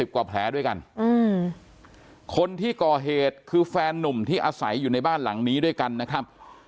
กว่าแผลด้วยกันคนที่ก่อเหตุคือแฟนนุ่มที่อาศัยอยู่ในบ้านหลังนี้ด้วยกันนะครับ